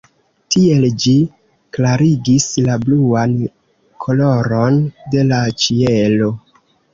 Tiel ĝi klarigis la bluan koloron de la ĉielo.